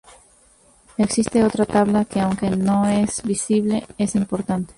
Existe otra tabla que aunque no es visible es importante.